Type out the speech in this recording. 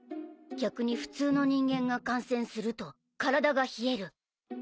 逆に普通の人間が感染すると体が冷える。